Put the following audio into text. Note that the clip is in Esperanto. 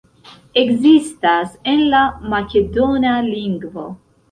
Ekzistas en la makedona lingvo.